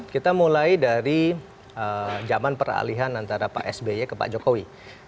kita mulai dari zaman peralihan antara pak sby ke pak jokowi